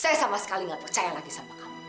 saya sama sekali nggak percaya lagi sama kamu